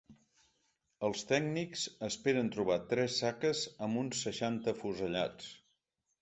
Els tècnics esperen trobar tres saques amb uns seixanta afusellats.